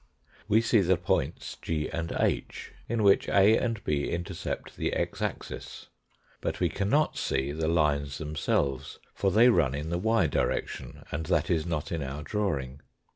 We see the points G and H, in which A and B intercept the x axis, but we cannot see the lines themselves, for they run in the y direction, and that is not in our drawing.